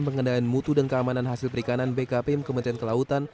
pengendalian mutu dan keamanan hasil perikanan bkpm kementerian kelautan